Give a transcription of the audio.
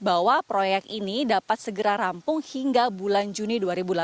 bahwa proyek ini dapat segera rampung hingga bulan juni dua ribu delapan belas